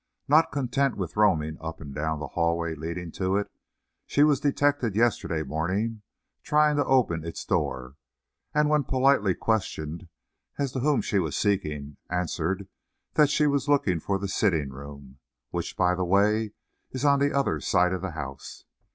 Not content with roaming up and down the hallway leading to it, she was detected yesterday morning trying to open its door, and when politely questioned as to whom she was seeking, answered that she was looking for the sitting room, which, by the way, is on the other side of the house.